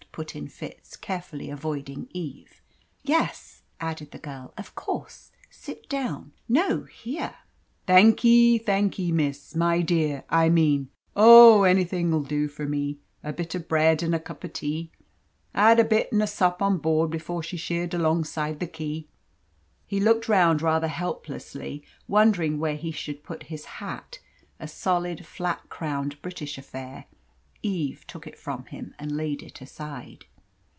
put in Fitz, carefully avoiding Eve. "Yes," added the girl, "of course. Sit down. No, here!" "Thankye thankye, miss my dear, I mean. Oh, anything'll do for me. A bit of bread and a cup o' tea. I had a bit and a sup on board before she sheered alongside the quay." He looked round rather helplessly, wondering where he should put his hat a solid, flat crowned British affair. Eve took it from him and laid it aside.